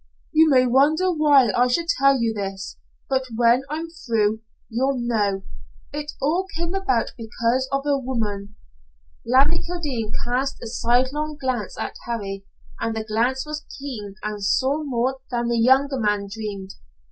"You may wonder why I should tell you this, but when I'm through, you'll know. It all came about because of a woman." Larry Kildene cast a sidelong glance at Harry, and the glance was keen and saw more than the younger man dreamed.